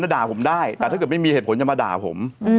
ด่าผมได้แต่ถ้าเกิดไม่มีเหตุผลจะมาด่าผม